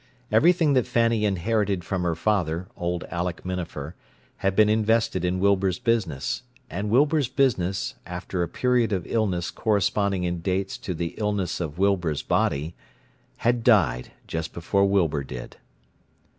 Everything that Fanny inherited from her father, old Aleck Minafer, had been invested in Wilbur's business; and Wilbur's business, after a period of illness corresponding in dates to the illness of Wilbur's body, had died just before Wilbur did.